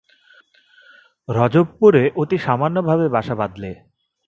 রজবপুরে অতি সামান্যভাবে বাসা বাঁধলে।